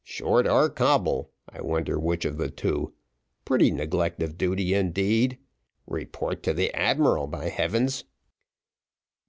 Short or Coble, I wonder which of the two pretty neglect of duty, indeed report to the admiral, by heavens!"